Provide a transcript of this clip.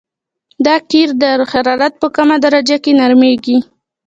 دا قیر د حرارت په کمه درجه کې نرمیږي